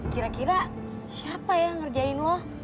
kira kira siapa yang ngerjain lo